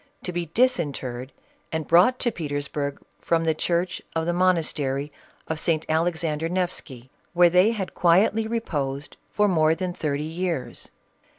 to be disinterred and brought to Petersburg from the church of the monastery of St. Alexander Nefsky, where they had quietly reposed for more than thirty years.